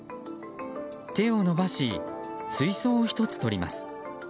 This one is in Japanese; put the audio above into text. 手を伸ばし水槽を１つ取ります。